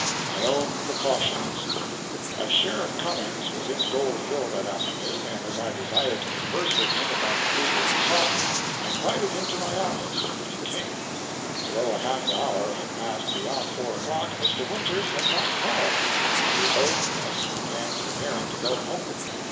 MY OWN PRECAUTIONS. As Sheriff Cummings was in Gold Hill that afternoon, and as I desired to converse with him about the previous assault, I invited him to my office, and he came. Although a half hour had passed beyond four o'clock, Mr. Winters had not called, and we both of us began preparing to go home.